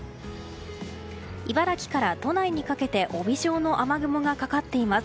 茨城から都内にかけて帯状の雨雲がかかっています。